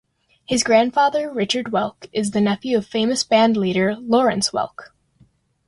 His grandfather, Richard Welk, is the nephew of famous band leader Lawrence Welk.